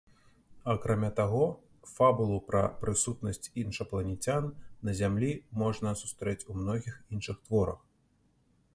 Акрамя таго, фабулу пра прысутнасць іншапланецян на зямлі можна сустрэць у многіх іншых творах.